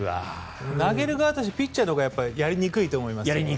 投げる側としてピッチャーのほうがやりにくいと思いますね。